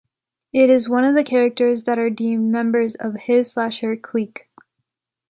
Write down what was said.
It is one of the characters that are deemed members of his/her clique.